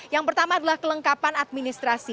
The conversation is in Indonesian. yang pertama adalah kelengkapan administrasi